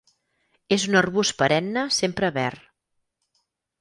És un arbust perenne sempre verd.